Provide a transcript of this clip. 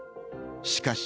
しかし。